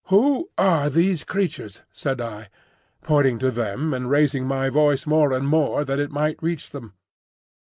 "Who are these creatures?" said I, pointing to them and raising my voice more and more that it might reach them.